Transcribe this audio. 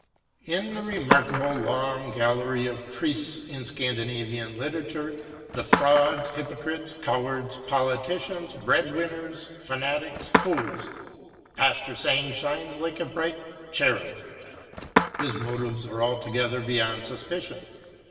In the remarkable, long gallery of priests in Scandinavian literature ŌĆö the frauds, hypocrites, cowards, politicians, breadwinners, fanatics, fools ŌĆö Pastor Sang shines like a bright Cherub. His mo tives are altogether beyond suspicion.